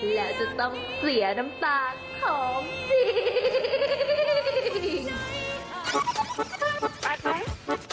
แล้วจะต้องเสียน้ำตาลของจริง